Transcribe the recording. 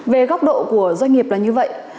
về góc độ của doanh nghiệp là như vậy